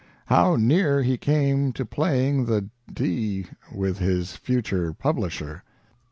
How near he came to playing the d with his future publisher."